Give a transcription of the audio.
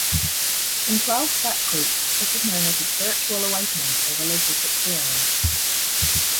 In twelve-step groups, this is known as a spiritual awakening or religious experience.